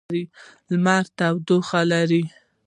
لمر تودوخه لري.